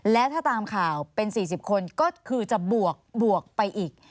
และถ้าตามข่าวเป็น๔๐คนก็คือจะบวกไปอีก